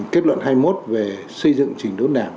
kết luận hai mươi một về xây dựng trình đốn đảng